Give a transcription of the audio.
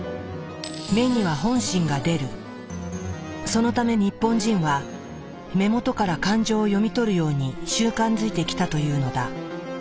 そのため日本人は目元から感情を読み取るように習慣づいてきたというのだ。